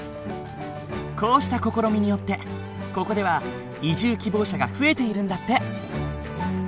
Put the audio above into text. こうした試みによってここでは移住希望者が増えているんだって。